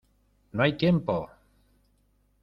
¡ no hay tiempo!